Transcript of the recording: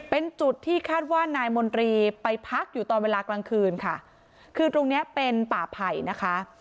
เป็นจุดที่คาดว่านายมนตรีไปพักอยู่ตอนเวลากลางคืนค่ะคือตรงเนี้ยเป็นป่าไผ่นะคะ